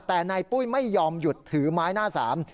แต่นายปุ้ยไม่ยอมหยุดถือไม้หน้าสาม